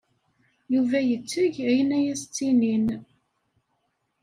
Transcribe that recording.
Yuba yetteg ayen ay as-ttinin.